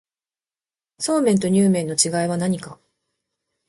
そうめんとにゅう麵の違いは何か